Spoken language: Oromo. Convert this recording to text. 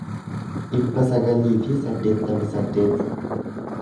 dhibba sagalii fi saddeettamii saddeet